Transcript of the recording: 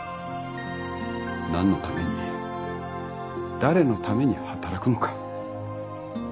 何のために誰のために働くのか。